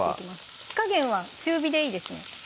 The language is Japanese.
火加減は中火でいいですね